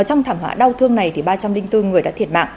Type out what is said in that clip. trong thảm họa đau thương này ba trăm linh bốn người đã thiệt mạng